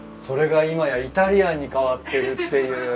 それが今やイタリアンに変わってるっていう。